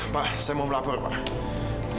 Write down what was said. pak saya mau melapor pak